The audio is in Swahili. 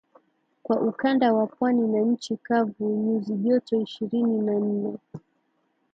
kwa ukanda wa pwani na nchi kavu nyuzi joto ishirini na nne